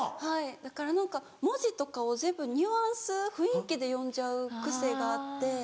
はいだから何か文字とかを全部ニュアンス雰囲気で読んじゃう癖があって。